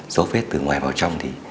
dấu vết từ ngoài vào trong thì